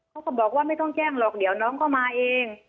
เขาก็บอกว่าไม่ต้องแจ้งหรอกเดี๋ยวน้องก็มาเอง